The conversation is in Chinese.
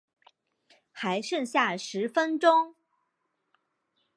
还剩下十分钟